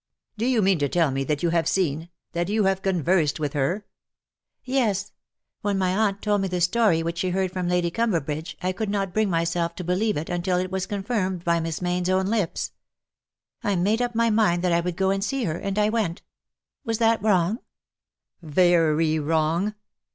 " Do you mean to tell me that you have seen — that you have conversed with her ?"" Yes : when my aunt told me the story which she heard from Lady Curaberbridge I could not bring myself to believe it until it was confirmed by Miss Mayne's own lips. I made up my mind that I would go and see her — and I went. Was that wrong V " Very wrong.